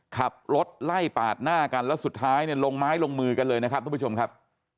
ขับรถไล่ปาดหน้ากันแล้วสุดท้ายเนี่ยลงไม้ลงมือกันเลยนะครับทุกผู้ชมครับ